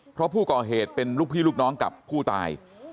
เพราะผู้ก่อเหตุเป็นลูกพี่ลูกน้องกับผู้ตาย